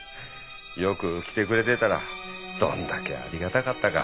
よく来てくれてたらどんだけありがたかったか。